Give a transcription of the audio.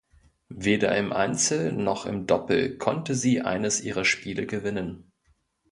Weder im Einzel noch im Doppel konnte sie eines ihrer Spiele gewinnen.